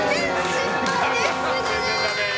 失敗です！